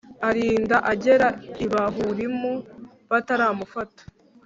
arinda agera i Bahurimu bataramufata